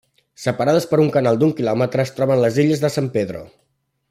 Separades per un canal d'un quilòmetre es troben les illes de San Pedro.